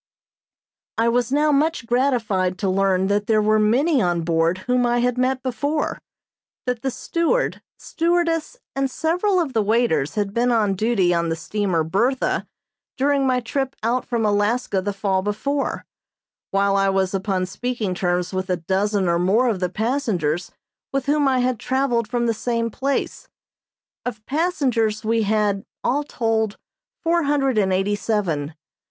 I was now much gratified to learn that there were many on board whom I had met before; that the steward, stewardess and several of the waiters had been on duty on the steamer "Bertha" during my trip out from Alaska the fall before, while I was upon speaking terms with a dozen or more of the passengers with whom I had traveled from the same place. Of passengers we had, all told, four hundred and eighty seven.